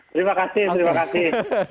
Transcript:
terima kasih terima kasih